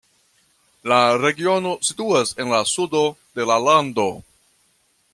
La regiono situas en la sudo de la lando.